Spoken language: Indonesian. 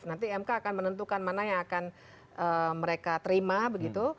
nanti mk akan menentukan mana yang akan mereka terima begitu